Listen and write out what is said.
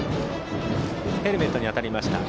ヘルメットに当たりました。